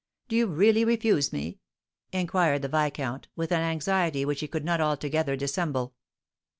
Do you really refuse me?" inquired the viscount, with an anxiety which he could not altogether dissemble.